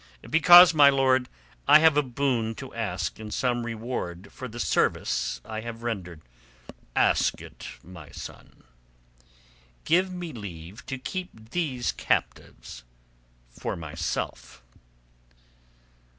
"Because, my lord, I have a boon to ask in some reward for the service I have rendered." "Ask it, my son." "Give me leave to keep these captives for myself."